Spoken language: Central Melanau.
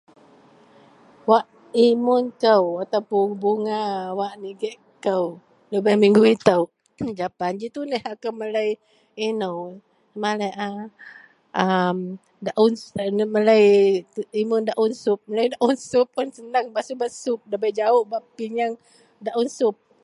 Wak imon kou ataupun bunga wak nigek kou lubeng minggu ito aku meli balak, daun sup bak imun taun ito.